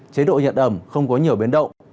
chế độ nhận ẩm không có nhiều biến động